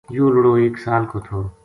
یوہ لُڑو ایک سال کو تھو